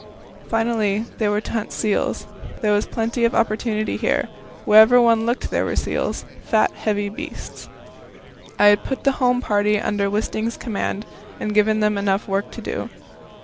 Finally, they were to hunt seals. There was plenty of opportunity here; where ever one looked there were seals fat heavy beasts. I had put the home party under Wisting's command, and given them enough work to do.